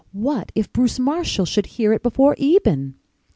What if Bruce Marshall should hear it before Eben?